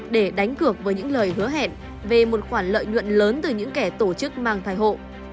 để đánh cược với những lời hứa hẹn về một khoản lợi nhuận lớn từ những kẻ tổ chức mang thai hộ